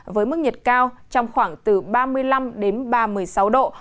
với mức nhiệt cao trong khoảng từ ba mươi năm đến ba mươi sáu độ